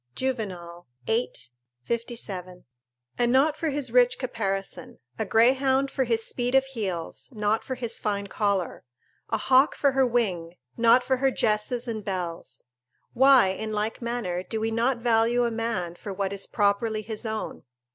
"Juvenal, viii. 57.] and not for his rich caparison; a greyhound for his speed of heels, not for his fine collar; a hawk for her wing, not for her gesses and bells. Why, in like manner, do we not value a man for what is properly his own?